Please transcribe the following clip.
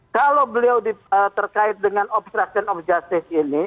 kalau beliau terkait dengan obstruction of justice ini